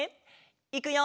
いくよ！